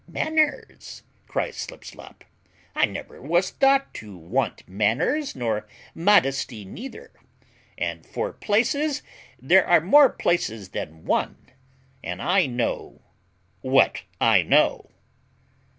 "Manners!" cries Slipslop; "I never was thought to want manners nor modesty neither; and for places, there are more places than one; and I know what I know."